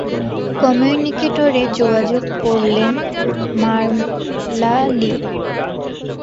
কম্যুনিকেটরে যোগাযোগ করলেন মারলা লি।